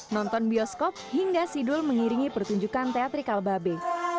nonton bioskop hingga sidul mengiringi pertunjukan teatri kalbabe